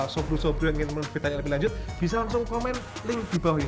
sobru sobru yang ingin mengembitkan lebih lanjut bisa langsung komen link dibawah ini